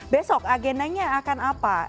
besok agenanya akan apa